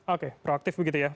oke proaktif begitu ya